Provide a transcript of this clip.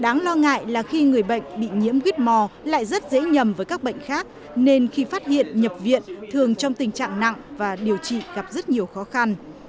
đáng lo ngại là khi người bệnh bị nhiễm whore lại rất dễ nhầm với các bệnh khác nên khi phát hiện nhập viện thường trong tình trạng nặng và điều trị gặp rất nhiều khó khăn